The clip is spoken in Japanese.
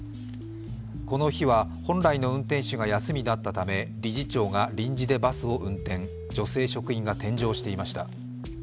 この日は本来の運転手が休みだったため、理事長が臨時でバスを運転、女性職員が添乗していました。